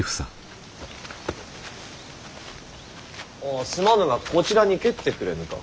ああすまぬがこちらに蹴ってくれぬか。